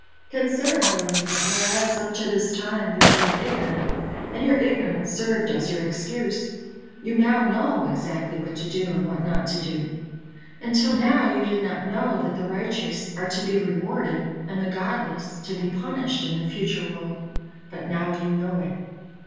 Consider, however, that whereas up to this time you have been ignorant, and your ignorance served as your excuse, you now know exactly what to do and what not to do. Until now you did not know that the righteous are to be rewarded and the godless to be punished in the future world, but now you know it.